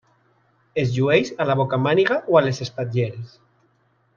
Es llueix a la bocamàniga o a les espatlleres.